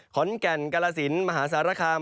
ขอนแก่นกาลสินมหาสารคาม